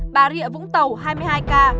bà rịa vũng tàu hai mươi hai ca